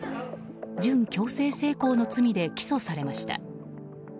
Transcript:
準強制性交の罪で起訴されました。